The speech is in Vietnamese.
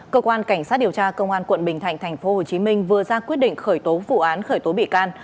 cơ quan cảnh sát điều tra công an quận bình thạnh tp hcm vừa ra quyết định khởi tố vụ án khởi tố bị can